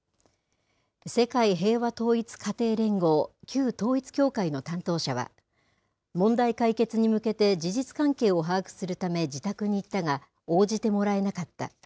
世界平和統一家庭連合、旧統一教会の担当者は、問題解決に向けて事実関係を把握するため、自宅に行ったが応じてもらえなかった。